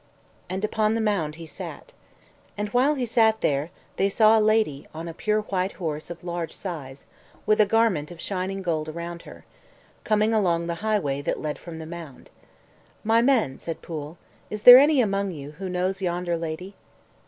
And upon the mound he sat. And while he sat there, they saw a lady, on a pure white horse of large size, with a garment of shining gold around her, coming along the highway that led from the mound. "My men," said Pwyll, "is there any among you who knows yonder lady?"